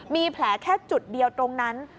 มีแผลแค่จุดเดียวตรงนั้น